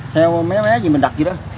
theo mấy mấy gì mình đặt vậy đó